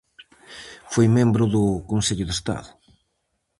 Foi membro do Consello de Estado.